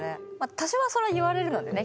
多少はそれは言われるのでね